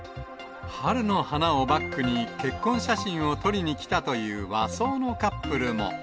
春の花をバックに、結婚写真を撮りに来たという和装のカップルも。